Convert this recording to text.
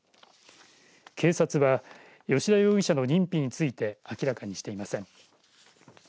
警察は吉田容疑者の認否について明らかにしていません。